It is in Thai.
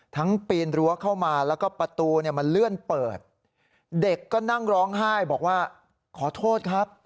ปีนรั้วเข้ามาแล้วก็ประตูเนี่ยมันเลื่อนเปิดเด็กก็นั่งร้องไห้บอกว่าขอโทษครับ